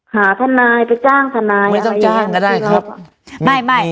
หาทนายไปจ้างทนายไม่ต้องจ้างก็ได้ครับไม่ไม่